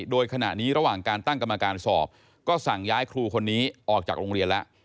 โดยขณะนี้ระหว่างการตั้งกรรมการสอบก็สั่งย้ายครูคนนี้ออกจากโรงเรียนแล้ว